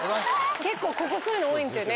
結構ここそういうの多いんですよね。